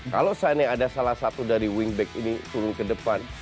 kalau seandainya ada salah satu dari wingback ini turun ke depan